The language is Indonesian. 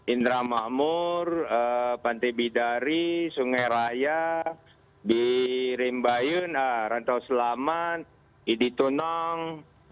indra mahmur pantai bidari sungai raya birembayun rantau selamat iditunang